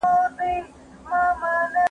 خپل استازی یې ورواستاوه خزدکه